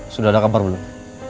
sudah ada kabar belum